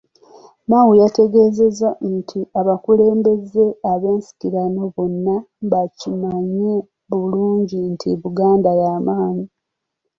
Mao yategeezezza nti abakulembeze ab’ensikirano bonna bakimanyi bulungi nti Buganda ya maanyi.